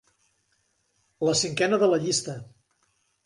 La cinquena de la llista.